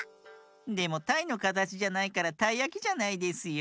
でもたいのかたちじゃないからたいやきじゃないですよ。